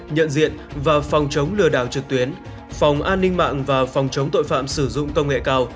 nhận diện và phòng chống lừa đảo trực tuyến phòng an ninh mạng và phòng chống tội phạm sử dụng công nghệ cao